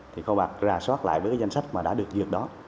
thì kho bạc ra soát lại với cái danh sách mà đã được duyệt đó